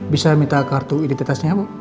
bisa minta kartu identitasnya bu